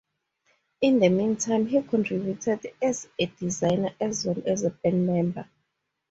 In the meantime, he contributed as a designer as well as a band member.